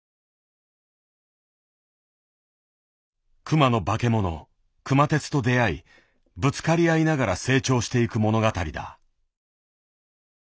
熊のバケモノ熊徹と出会いぶつかり合いながら成長していく物語だ。